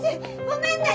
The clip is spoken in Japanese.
ごめんね！